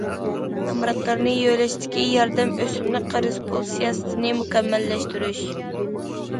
نامراتلارنى يۆلەشتىكى ياردەم ئۆسۈملۈك قەرز پۇل سىياسىتىنى مۇكەممەللەشتۈرۈش.